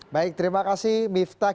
baik terima kasih miftah